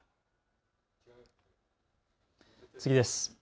次です。